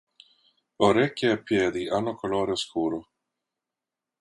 Orecchie e piedi hanno colore scuro.